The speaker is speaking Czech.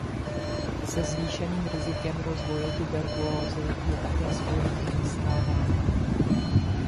Se zvýšeným rizikem rozvoje tuberkulózy je také spojena nízká váha.